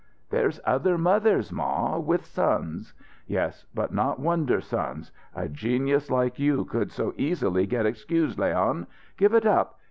"There's other mothers, ma, with sons." "Yes, but not wonder sons! A genius like you could so easy get excused, Leon. Give it up.